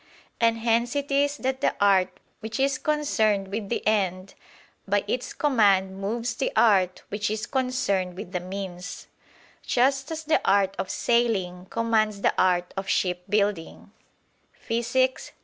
And hence it is that the art which is concerned with the end, by its command moves the art which is concerned with the means; just as the "art of sailing commands the art of shipbuilding" (Phys.